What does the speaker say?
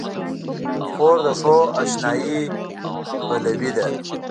خور د ښو اشنايي پلوي ده.